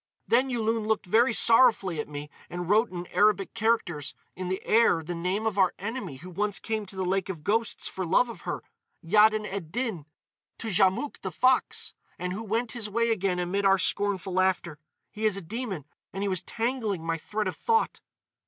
"Then Yulun looked very sorrowfully at me and wrote in Arabic characters, in the air, the name of our enemy who once came to the Lake of Ghosts for love of her—Yaddin ed Din, Tougtchi to Djamouk the Fox.... And who went his way again amid our scornful laughter.... He is a demon. And he was tangling my thread of thought!"